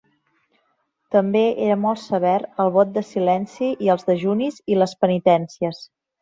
També era molt sever el vot de silenci i els dejunis i les penitències.